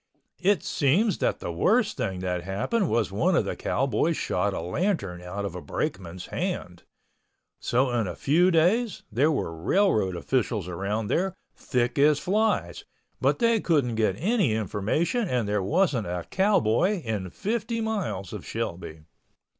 It seems that the worst thing that happened was one of the cowboys shot a lantern out of a brakeman's hand. So in a few days there was railroad officials around there, thick as flies, but they couldn't get any information and there wasn't a cowboy in fifty miles of Shelby.